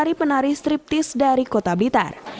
dan juga penari striptease dari kota blitar